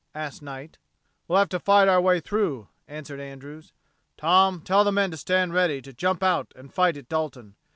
asked Knight. "We'll have to fight our way through," answered Andrews. "Tom, tell the men to stand ready to jump out and fight at Dalton.